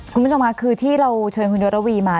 คุณผู้ชมค่ะคือที่เราเชิญคุณยศระวีมา